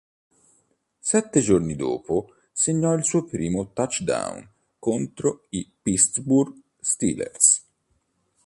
Sette giorni dopo segnò il suo primo touchdown contro i Pittsburgh Steelers.